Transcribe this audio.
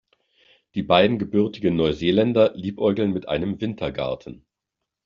Die beiden gebürtigen Neuseeländer liebäugeln mit einem Wintergarten.